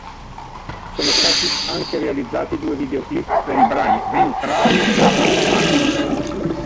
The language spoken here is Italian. Sono stati anche realizzati due videoclip, per i brani "Ventrale" e "Onomastica".